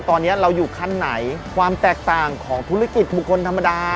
ตอนนี้เราอยู่ขั้นไหนความแตกต่างของธุรกิจบุคคลธรรมดา